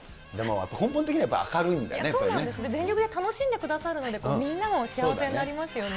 根本的に明るいんだね、全力で楽しんでくださるので、みんなも幸せになりますよね。